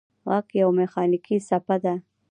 غږ یوه مکانیکي څپه ده.